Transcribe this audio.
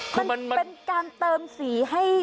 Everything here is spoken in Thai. มันเป็นการเติมสีให้